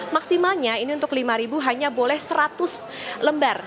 maksimalnya ini untuk lima hanya boleh seratus lembar